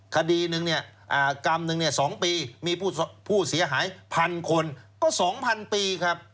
คดีนึงกรรมนึง๒ปีมีผู้เสียหายพันคนก็๒๐๐๐ปีครับ